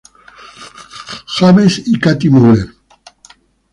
James y Cathy Muller.